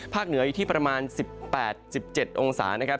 เหนืออยู่ที่ประมาณ๑๘๑๗องศานะครับ